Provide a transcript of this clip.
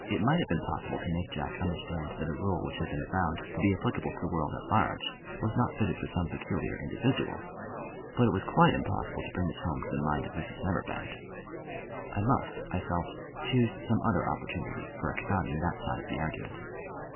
It might have been possible to make Jack understand that a rule which had been found to be applicable to the world at large was not fitted for some peculiar individual, but it was quite impossible to bring this home to the mind of Mrs Neverbend. I must, I felt, choose some other opportunity for expounding that side of the argument.